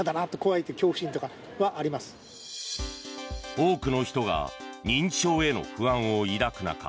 多くの人が認知症への不安を抱く中